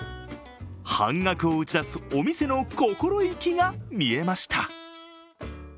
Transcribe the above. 半額を打ち出すお店の心意気が見えました。